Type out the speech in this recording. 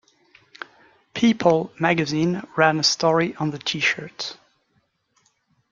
"People" magazine ran a story on the T-shirt.